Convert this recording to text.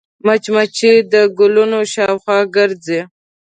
مچمچۍ د ګلونو شاوخوا ګرځي